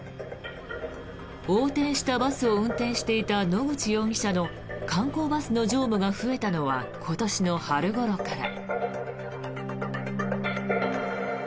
横転したバスを運転していた野口容疑者の観光バスの乗務が増えたのは今年の春ごろから。